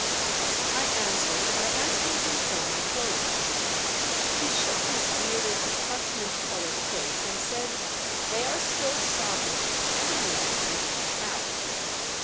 I answered by asking him for my clothes. He shook his bearded, parchment coloured face, and said . "They are still sodden," and immediately went out.